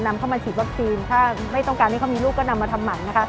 นำเข้ามาฉีดวัคซีนถ้าไม่ต้องการให้เขามีลูกก็นำมาทำหมันนะคะ